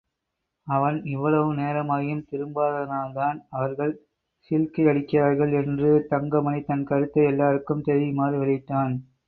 அவன் இவ்வளவு நேரமாகியும் திரும்பாததனால் தான் அவர்கள் சீழ்க்கையடிக்கிறார்கள் பன்று தங்கமணி தன் கருத்தை எல்லாருக்கும் தெரியுமாறு வெளியிட்டான்.